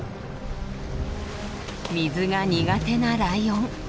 水が苦手なライオン。